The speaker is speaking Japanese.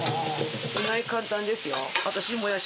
意外と簡単ですよ。